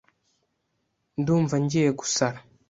Ndumva ngiye gusara.